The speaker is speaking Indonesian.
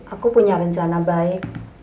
aku punya rencana baik